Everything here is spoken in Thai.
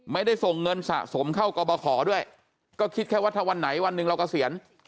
ไม่ได้ส่งเงินสะสมเข้ากรบขอด้วยก็คิดแค่ว่าถ้าวันไหนวันหนึ่งเราเกษียณ